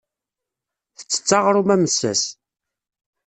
Tettett aɣrum amessas.